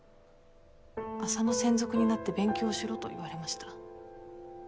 浅野専属になって勉強しろと言われました。